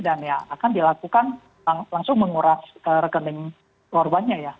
dan akan dilakukan langsung menguras rekening korbannya